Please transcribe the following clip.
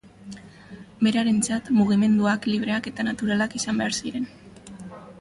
Berarentzat mugimenduak libreak eta naturalak izan behar ziren.